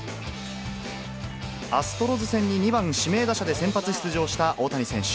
アストロズ戦に、２番指名打者で先発出場した大谷選手。